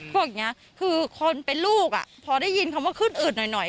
พวกนี้คือคนเป็นลูกพอได้ยินคำว่าขึ้นอืดหน่อย